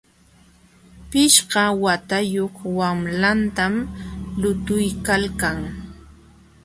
Pishqa watayuq wamlatam lutuykalkan.